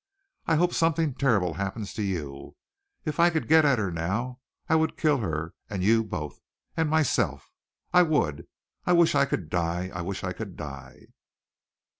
I hope something terrible happens to you. If I could get at her now I would kill her and you both and myself. I would! I wish I could die! I wish I could die!"